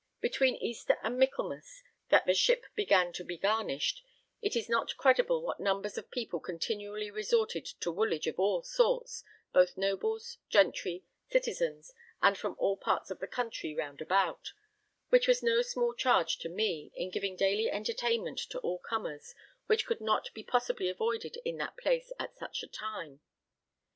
Between Easter and Michaelmas that the ship began to be garnished, it is not credible what numbers of people continually resorted to Woolwich of all sorts, both nobles, gentry, citizens, and from all parts of the country round about; which was no small charge to me, in giving daily entertainment to all comers, which could not be possibly avoided in that place at such a time.